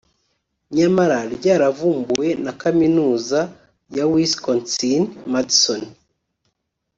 nyamara ryaravumbuwe na Kaminuza ya Wisconsin-Madison